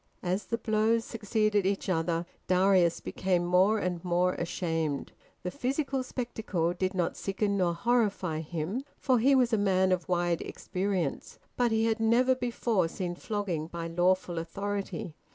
As the blows succeeded each other, Darius became more and more ashamed. The physical spectacle did not sicken nor horrify him, for he was a man of wide experience; but he had never before seen flogging by lawful authority.